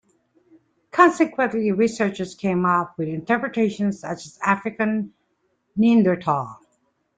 Consequently, researchers came up with interpretations such as "African Neanderthal".